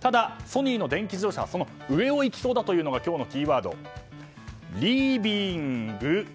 ただ、ソニーの電気自動車はその上を行きそうだというのが今日のキーワード、リビング。